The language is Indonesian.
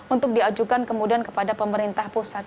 untuk diajukan kemudian kepada pemerintah pusat